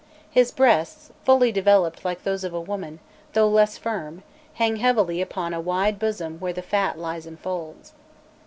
His breasts, fully developed like those of a woman, though less firm, hang heavily upon a wide bosom where the fat lies in folds.